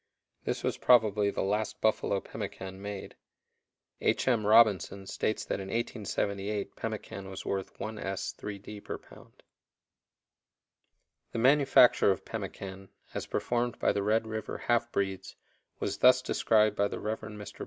This was probably the last buffalo pemmican made. H. M. Robinson states that in 1878 pemmican was worth 1s. 3d. per pound. The manufacture of pemmican, as performed by the Red River half breeds, was thus described by the Rev. Mr.